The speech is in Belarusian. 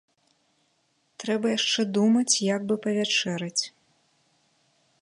Трэба яшчэ думаць, як бы павячэраць.